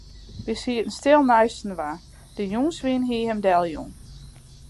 Wy sieten stil neistinoar, de jûnswyn hie him deljûn.